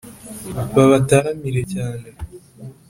babataramire cyane;